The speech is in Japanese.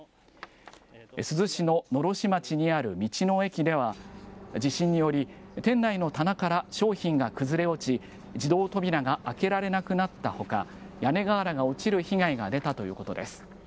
珠洲市の狼煙町にある道の駅では、地震により、店内の棚から商品が崩れ落ち、自動扉が開けられなくなったほか、屋根瓦が落ちる被害が出たということです。